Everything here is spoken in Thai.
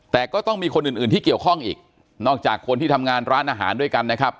แต่ก็ต้องมีคนอื่นอื่นที่เกี่ยวข้องอีกนอกจากคนที่ทำงานร้านอาหารด้วยกันนะครับ